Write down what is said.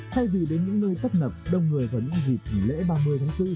thay vì đến những nơi tất nập đông người vẫn dịp lễ ba mươi tháng bốn